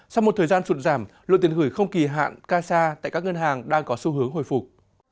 sau một thời gian sụn giảm lượng tiền gửi không kỳ hạn ca sa tại các ngân hàng đang có xu hướng hồi phục